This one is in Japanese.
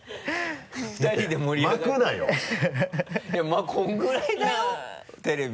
まぁこのぐらいだよテレビの。